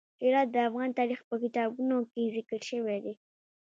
هرات د افغان تاریخ په کتابونو کې ذکر شوی دي.